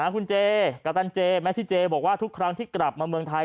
คุณเจกัปตันเจแมซิเจบอกว่าทุกครั้งที่กลับมาเมืองไทย